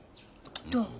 どう？